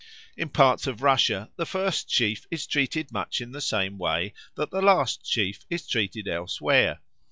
In parts of Russia the first sheaf is treated much in the same way that the last sheaf is treated elsewhere.